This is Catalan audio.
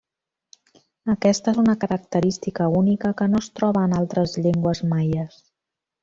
Aquesta és una característica única que no es troba en altres llengües maies.